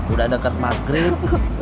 udah deket maghrib